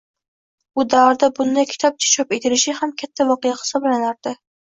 U davrda bunday kitobcha chop etilishi ham katta voqea hisoblanardi